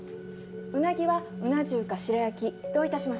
ウナギはうな重か白焼きどういたしましょう？